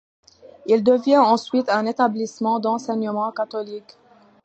Il devient ensuite un établissement d'enseignement catholique.